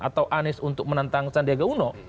atau anies untuk menantang sandiaga uno